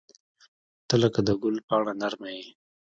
• ته لکه د ګل پاڼه نرمه یې.